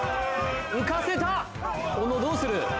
浮かせた小野どうする？